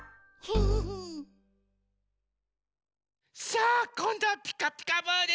さあこんどは「ピカピカブ！」ですよ。